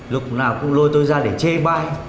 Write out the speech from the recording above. lúc nào cũng lôi tôi ra để chê bai